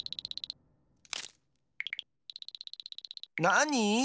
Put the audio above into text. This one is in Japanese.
なに？